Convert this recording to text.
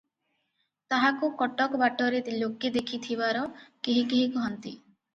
ତାହାକୁ କଟକ ବାଟରେ ଲୋକେ ଦେଖିଥିବାର କେହି କେହି କହନ୍ତି ।